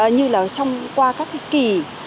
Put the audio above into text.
như là qua các cái kỳ